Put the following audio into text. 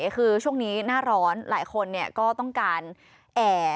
คือช่วงนี้หน้าร้อนหลายคนก็ต้องการแอร์